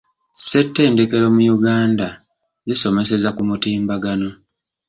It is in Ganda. Ssettendekero mu Uganda zisomeseza ku mutimbagano.